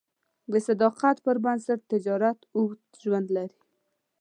د صداقت پر بنسټ تجارت اوږد ژوند لري.